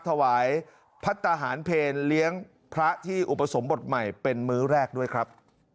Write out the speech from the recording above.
ถวายพัฒนาหารเพลเลี้ยงพระที่อุปสมบทใหม่เป็นมื้อแรกด้วยครับ